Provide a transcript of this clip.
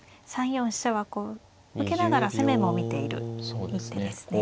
３四飛車はこう受けながら攻めも見ている一手ですね。